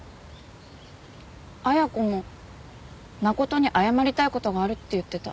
恵子も真琴に謝りたい事があるって言ってた。